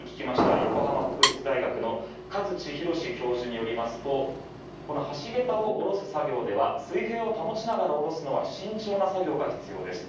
横浜国立大学の勝地弘教授によりますと橋桁を下ろす作業では水平を保ちながら下ろすのは慎重な作業が必要です